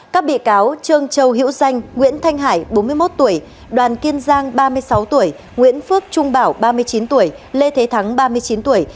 các bị cáo trương châu hiễu danh nguyễn thanh hải bốn mươi một tuổi đoàn kiên giang ba mươi sáu tuổi nguyễn phước trung bảo ba mươi chín tuổi lê thế thắng ba mươi chín tuổi